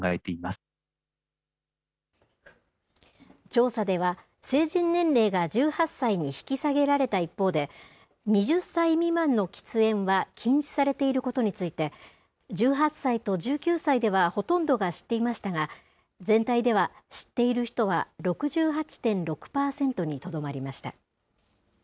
調査では成人年齢が１８歳に引き下げられた一方で、２０歳未満の喫煙は禁止されていることについて、１８歳と１９歳ではほとんどが知っていましたが、全体では知っている人は６８．６％にとどまりました。